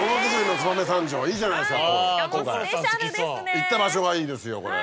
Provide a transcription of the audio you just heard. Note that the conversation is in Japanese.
行った場所がいいですよこれ。